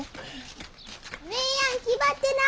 姉やん気張ってな！